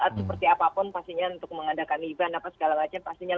seperti apapun pastinya untuk mengadakan riban apa segala macem